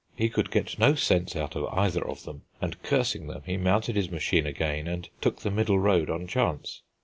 He could get no sense out of either of them, and cursing them he mounted his machine again, and took the middle road on chance.